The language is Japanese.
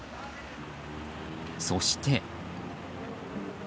そして。